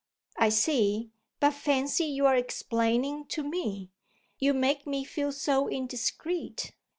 "I see. But fancy your 'explaining' to me: you make me feel so indiscreet!"